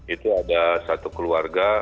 itu ada satu keluarga